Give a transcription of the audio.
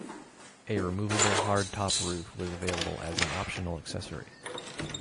A removable hardtop roof was available as an optional accessory.